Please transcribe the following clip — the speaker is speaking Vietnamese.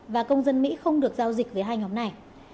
và công dân mỹ không được giao dịch với hai nhóm này